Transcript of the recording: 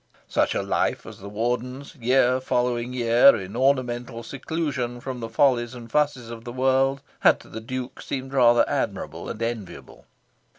Such a life as the Warden's, year following year in ornamental seclusion from the follies and fusses of the world, had to the Duke seemed rather admirable and enviable.